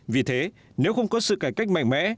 vì thế nếu không có sự cải cách mạnh mẽ